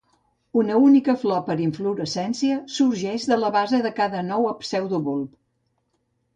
Una única flor per inflorescència sorgeix de la base de cada nou pseudobulb.